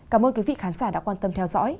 cảm ơn quý vị khán giả đã quan tâm theo dõi